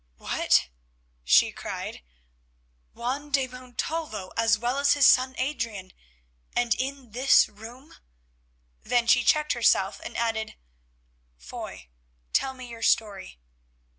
"What!" she cried. "Juan de Montalvo as well as his son Adrian, and in this room——" Then she checked herself and added, "Foy, tell me your story."